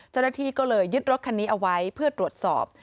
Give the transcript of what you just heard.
เจ้าหน้าที่ก็เลยยึดรถคันนี้เอาไว้เพื่อตรวจสอบ